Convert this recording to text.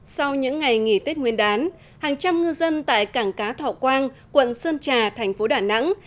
sau những ngày nghỉ tết nguyên đán hàng trăm ngư dân tại cảng cá thọ quang quận sơn trà thành phố đà nẵng